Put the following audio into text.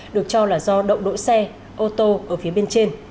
được cho là do đậu đỗ xe ô tô ở phía bên trên